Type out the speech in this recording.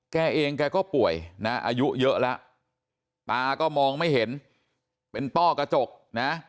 แกเองแกก็ป่วยนะอายุเยอะแล้วตาก็มองไม่เห็นเป็นต้อกระจกนะ